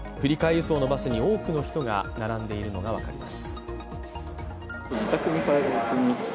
輸送のバスに多く人が並んでいるのが分かります。